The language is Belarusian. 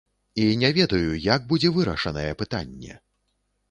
І не ведаю, як будзе вырашанае пытанне.